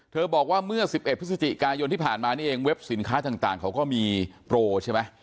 บอกว่าเมื่อ๑๑พฤศจิกายนที่ผ่านมานี่เองเว็บสินค้าต่างเขาก็มีโปรใช่ไหม